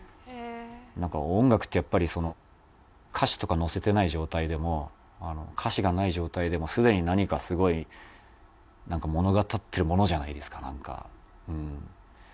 なんか音楽ってやっぱり歌詞とか乗せてない状態でも歌詞がない状態でもすでに何かすごい物語ってるものじゃないですかなんか。